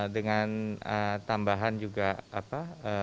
dengan tambahan juga apa